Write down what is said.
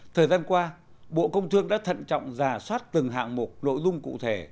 thời gian qua bộ công thương đã thận trọng giả soát từng hạng mục nội dung cụ thể